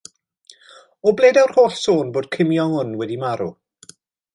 O ble daw'r holl sôn bod Kim Jong-un wedi marw?